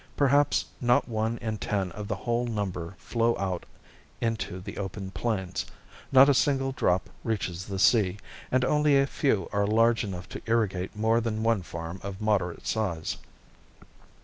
Perhaps not one in ten of the whole number flow out into the open plains, not a single drop reaches the sea, and only a few are large enough to irrigate more than one farm of moderate size.